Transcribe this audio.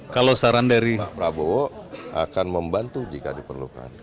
kalau saran dari prabowo akan membantu jika diperlukan